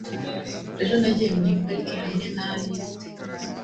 ejo nagiye muri parike hamwe na alice